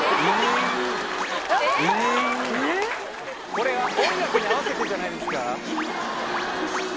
これは音楽に合わせてじゃないですか？